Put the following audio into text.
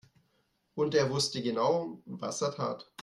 Und er wusste genau, was er tat.